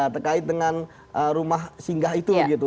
terkait dengan rumah singga itu gitu